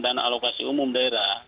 dan alokasi umum daerah